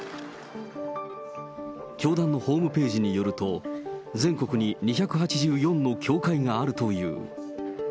教団のホームページによると、全国に２８４の教会があるという。